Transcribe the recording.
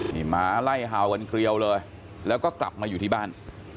นี่หมาไล่เห่ากันเกลียวเลยแล้วก็กลับมาอยู่ที่บ้าน